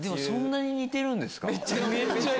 そんなに似てるんですか？